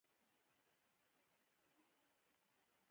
پلاستيک باید د خاورې لاندې نه ښخېږي.